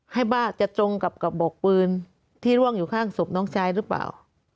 บ้าจะตรงกับกระบอกปืนที่ร่วงอยู่ข้างศพน้องชายหรือเปล่า